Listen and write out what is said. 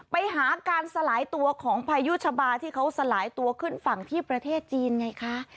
ไปหาการสลายตัวของพายุชะบาที่เขาสลายตัวขึ้นฝั่งที่ประเทศจีนไงคะ